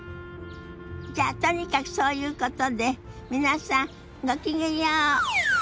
じゃとにかくそういうことで皆さんご機嫌よう。